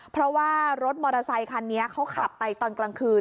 เพราะว่ารถมอเตอร์ไซคันนี้เขาขับไปตอนกลางคืน